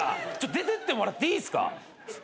出てってもらっていいすか？